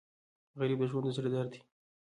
غریب د ژوند د زړه درد دی